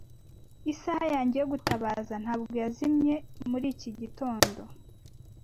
Isaha yanjye yo gutabaza ntabwo yazimye muri iki gitondo.